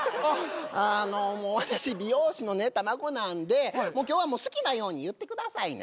あのもう私美容師の卵なんでもう今日は好きなように言ってくださいね